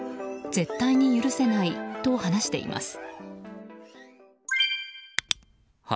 絶対に許せないと話しています。